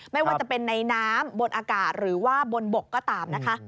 ไม่ว่าจะเป็นในน้ำบนอากาศหรือว่าบนบกก็ตามนะคะ